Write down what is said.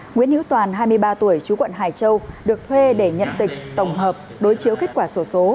nguyễn hữu toàn hai mươi ba tuổi chú quận hải châu được thuê để nhận tịch tổng hợp đối chiếu kết quả sổ số